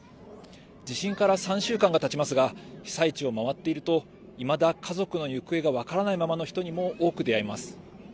地震から３週間がたちますが被災地を回っているといまだ家族の行方が分からないままの人にも多く出会います。